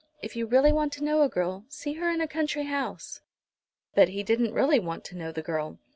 If you really want to know a girl, see her in a country house." But he didn't really want to know the girl.